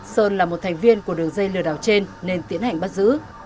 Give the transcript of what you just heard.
sơn là một thành viên của đường dây lừa đảo trên nên tiến hành bắt giữ